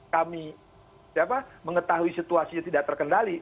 kami mengetahui situasinya tidak terkendali